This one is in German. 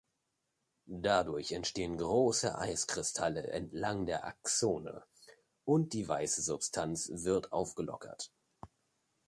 Dadurch entstehen große Eiskristalle entlang der Axone und die weiße Substanz wird aufgelockert.